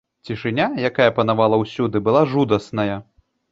Цішыня, якая панавала ўсюды, была жудасная.